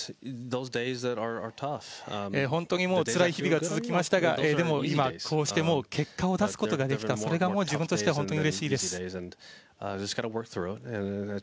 本当につらい日々が続きましたが、でも今こうして結果を出すことができた、それが自分としては本当にうれしいです。